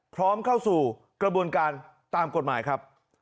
เข้าสู่กระบวนการตามกฎหมายครับ